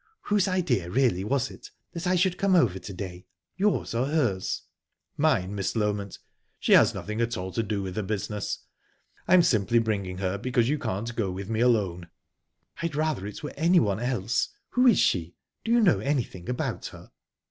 "Whose idea really was it, that I should come over to day yours or hers?" "Mine, Miss Loment. She has nothing at all to do with the business. I am simply bringing her because you can't go with me alone." "I'd rather it were anyone else. Who is she? Do you know anything about her?"